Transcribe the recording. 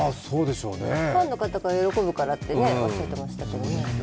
ファンの方が喜ぶからとおっしゃっていましたけど。